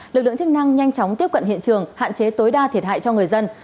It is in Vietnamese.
lực lượng chức năng nhanh chóng tiếp cận hiện trường hạn chế tối đa thiệt hại cho người dân